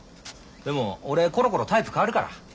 でも俺ころころタイプ変わるから。